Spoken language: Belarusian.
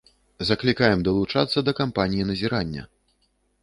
Заклікаем далучацца да кампаніі назірання.